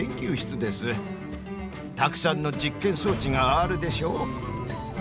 たくさんの実験装置があるでしょう？